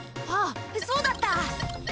あっそうだった！